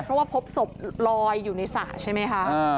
เพราะว่าพบศพลอยอยู่ในสระใช่ไหมคะ